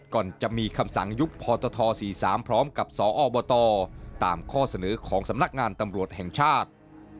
ก่อนจะมีคำสั่งยุคพตท๔๓พร้อมกับสอบตตามข้อเสนอของสำนักงานตำรวจแห่งชาติ